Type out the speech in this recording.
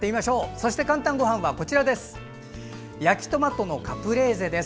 そして「かんたんごはん」は焼きトマトのカプレーゼです。